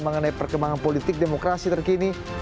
mengenai perkembangan politik demokrasi terkini